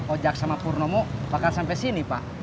ojak sama purnomo bakal sampai sini pak